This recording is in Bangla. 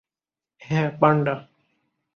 হ্যাঁ, পান্ডা!